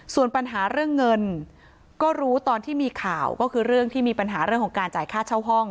ส่วนปัญหาเรื่องเงินก็รู้ตอนที่มีข่าวก็คือเรื่องที่มีปัญหาเรื่องของการจ่ายค่าเช่าห้อง